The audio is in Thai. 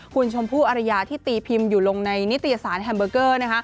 คุณชมพู่อรยาที่ตีพิมพ์อยู่ลงในนิตยสารแฮมเบอร์เกอร์นะคะ